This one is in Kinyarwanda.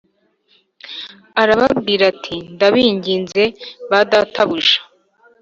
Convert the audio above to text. Arababwira ati Ndabinginze ba databuja